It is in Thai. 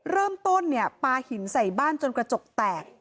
เริ่มต้นเนี่ยปลาหินใส่บ้านจนกระจกแตก